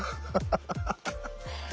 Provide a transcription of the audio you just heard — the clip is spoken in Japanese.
ハハハッ。